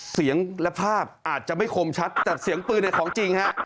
เสียงและภาพอาจจะไม่คมชัดแต่เสียงปืนเนี่ยของจริงฮะ